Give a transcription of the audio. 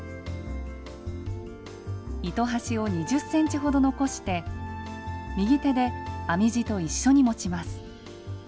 糸端を２０ｃｍほど残して右手で編み地と一緒に持ちます。